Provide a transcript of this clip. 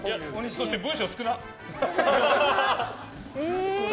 そして文章少なっ。